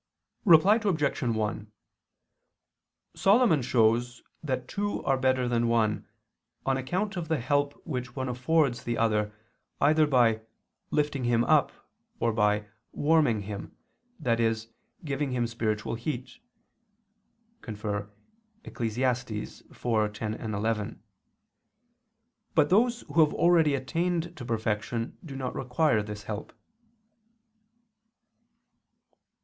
Reply Obj. 1: Solomon shows that two are better than one, on account of the help which one affords the other either by "lifting him" up, or by "warming him," i.e. giving him spiritual heat (Eccles. 4:10, 11). But those who have already attained to perfection do not require this help.